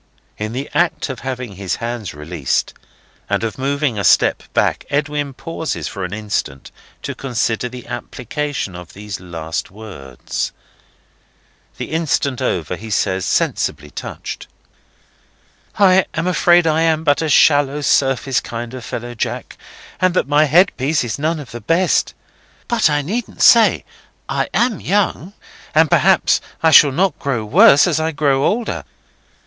In the act of having his hands released, and of moving a step back, Edwin pauses for an instant to consider the application of these last words. The instant over, he says, sensibly touched: "I am afraid I am but a shallow, surface kind of fellow, Jack, and that my headpiece is none of the best. But I needn't say I am young; and perhaps I shall not grow worse as I grow older.